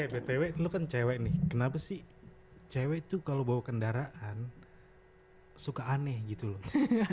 eh pewe lo kan cewe nih kenapa sih cewe itu kalau bawa kendaraan suka aneh gitu loh